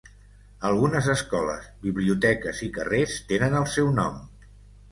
Algunes escoles, biblioteques i carrers tenen el seu nom.